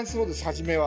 初めは。